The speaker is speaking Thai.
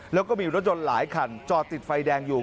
แล้วก็มีรถยนต์หลายคันจอดติดไฟแดงอยู่